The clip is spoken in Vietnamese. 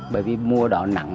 bởi vì mùa đó nặng